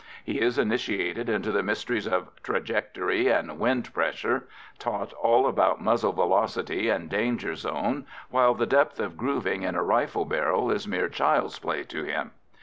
He is initiated into the mysteries of trajectory and wind pressure, taught all about muzzle velocity and danger zone, while the depth of grooving in a rifle barrel is mere child's play to him.